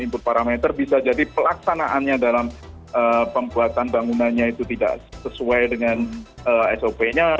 untuk parameter bisa jadi pelaksanaannya dalam pembuatan bangunannya itu tidak sesuai dengan sop nya